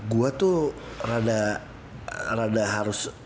gue tuh rada harus